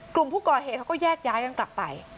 กลุ่มผู้ก่อเหตุเขาก็แยกย้ายกันกลับไป